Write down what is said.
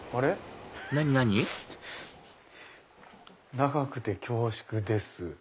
「長くて恐縮です。